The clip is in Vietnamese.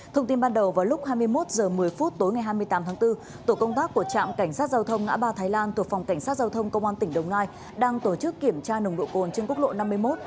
thông tin ban đầu vào lúc hai mươi một h một mươi tối ngày hai mươi tám tháng bốn tổ công tác của trạm cảnh sát giao thông ngã ba thái lan thuộc phòng cảnh sát giao thông công an tỉnh đồng nai đang tổ chức kiểm tra nồng độ cồn trên quốc lộ năm mươi một